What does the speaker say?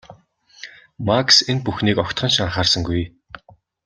Макс энэ бүхнийг огтхон ч анхаарсангүй.